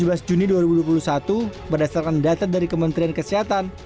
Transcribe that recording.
tujuh belas juni dua ribu dua puluh satu berdasarkan data dari kementerian kesehatan